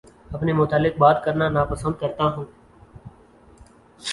اپنے متعلق بات کرنا نا پسند کرتا ہوں